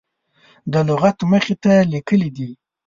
د لغت مخې ته لیکلي دي.